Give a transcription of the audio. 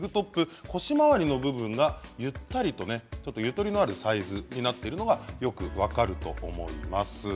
腰回りの部分がゆったりとゆとりのあるサイズになっているのがよく分かると思います。